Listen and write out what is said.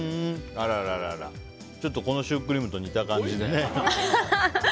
ちょっとこのシュークリームと似た感じでね。